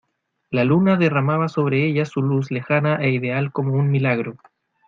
la luna derramaba sobre ellas su luz lejana e ideal como un milagro.